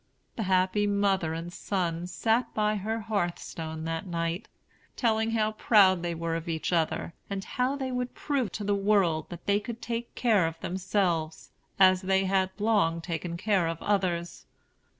The happy mother and son sat by her hearthstone that night, telling how proud they were of each other, and how they would prove to the world that they could take care of themselves, as they had long taken care of others.